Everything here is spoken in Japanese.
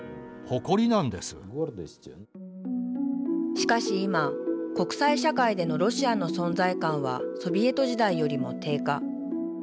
しかしいま国際社会でのロシアの存在感はソビエト時代よりも低下。